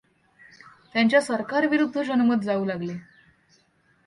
त्यांच्या सरकारविरुद्ध जनमत जाऊ लागले.